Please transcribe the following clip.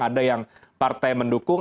ada yang partai mendukung